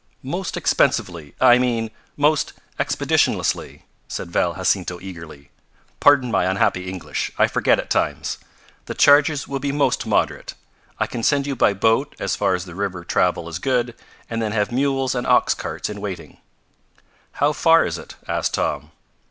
"Most expensively I mean, most expeditionlessly," said Val Jacinto eagerly. "Pardon my unhappy English. I forget at times. The charges will be most moderate. I can send you by boat as far as the river travel is good, and then have mules and ox carts in waiting." "How far is it?" asked Tom.